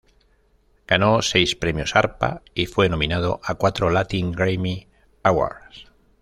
Ganó seis Premios Arpa, y fue nominado a cuatro Latin Grammy Awards.